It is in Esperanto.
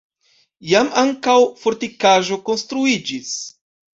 Iam ankaŭ fortikaĵo konstruiĝis.